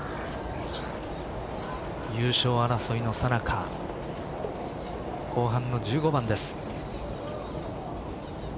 優勝争いのさなか後半の１５番です。